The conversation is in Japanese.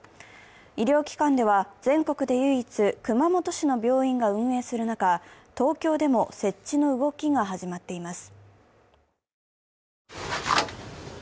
医療機関では、全国で唯一、熊本市の病院が運営する中、東京でも設置の動きが始まっています。